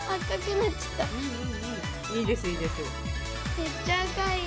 めっちゃ赤いよ。